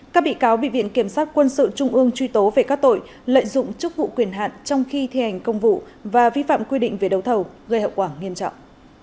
các bị cáo bị viện kiểm sát quân sự trung ương truy tố về các tội lợi dụng chức vụ quyền hạn trong khi thi hành công vụ và vi phạm quy định về đấu thầu gây hậu quả nghiêm trọng